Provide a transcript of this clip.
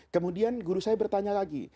kemudian guru saya bertanya lagi